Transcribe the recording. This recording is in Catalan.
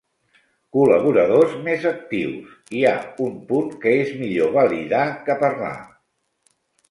Col·laboradors més actius, hi ha un punt que és millor validar que parlar.